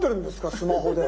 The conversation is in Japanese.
スマホで。